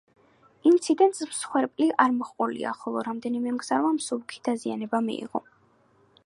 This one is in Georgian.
ინციდენტს მსხვერპლი არ მოჰყოლია, ხოლო რამდენიმე მგზავრმა მსუბუქი დაზიანება მიიღო.